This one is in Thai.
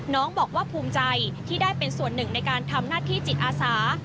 น้องบอกว่าภูมิใจที่ได้เป็นส่วนหนึ่งในการทำหน้าที่จิตอาสา